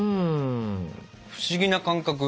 不思議な感覚。